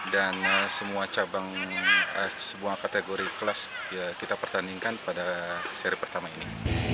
dan semua cabang semua kategori kelas kita pertandingkan pada seri pertama ini